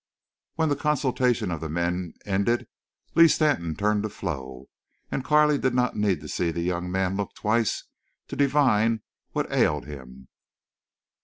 When the consultation of the men ended, Lee Stanton turned to Flo. And Carley did not need to see the young man look twice to divine what ailed him.